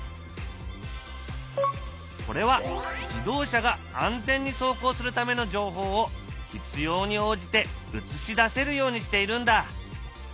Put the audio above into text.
これは自動車が安全に走行するための情報を必要に応じて映し出せるようにしているんだ。